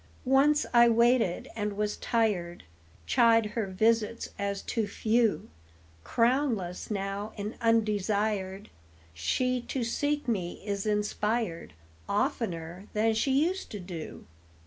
Once I waited and was tired, Chid her visits as too few; Crownless now and undesired, She to seek me is inspired Oftener than she used to do.